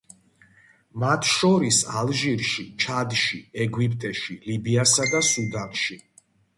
მათ შორის ალჟირში, ჩადში, ეგვიპტეში, ლიბიასა და სუდანში.